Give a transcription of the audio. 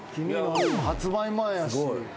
発売前やし。